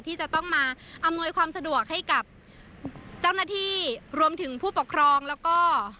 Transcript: ที่จะต้องมาอำนวยความสะดวกให้กับเจ้าหน้าที่รวมถึงผู้ปกครองแล้วก็